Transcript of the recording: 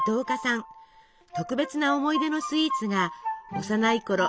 特別な思い出のスイーツが幼いころ